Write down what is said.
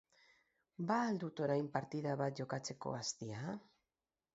Ba al dut orain partida bat jokatzeko astia?